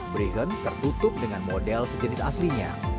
brigon tertutup dengan model sejenis aslinya